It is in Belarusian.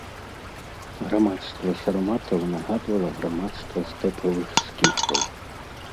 Грамадства сарматаў нагадвала грамадства стэпавых скіфаў.